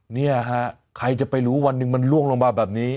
เนี่ยฮะใครจะไปรู้วันหนึ่งมันล่วงลงมาแบบนี้